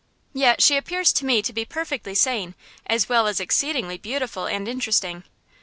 "Yet she appears to me to be perfectly sane, as well as exceedingly beautiful and interesting."